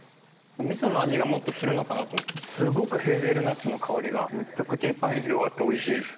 味噌の味がもっとするのかなと思ったらすごくヘーゼルナッツの香りが口いっぱいに広がっておいしいです。